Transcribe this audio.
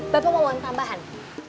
bapak mau uang tambahan